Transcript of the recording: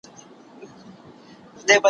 هم یې زامه هم یې پزه ماتومه